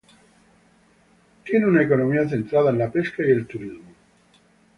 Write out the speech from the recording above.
Tiene una economía centrada en la pesca y el turismo.